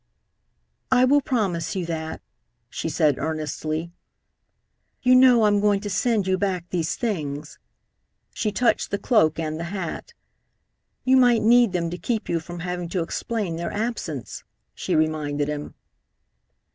"I will promise you that," she said earnestly. "You know I'm going to send you back these things." She touched the cloak and the hat. "You might need them to keep you from having to explain their absence," she reminded him.